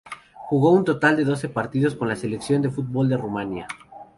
Jugó un total de doce partidos con la selección de fútbol de Rumania.